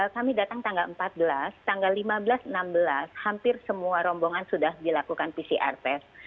kami datang tanggal empat belas tanggal lima belas enam belas hampir semua rombongan sudah dilakukan pcr test